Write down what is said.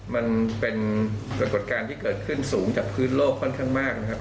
มันเป็นปรากฏการณ์ที่เกิดขึ้นสูงจากพื้นโลกค่อนข้างมากนะครับ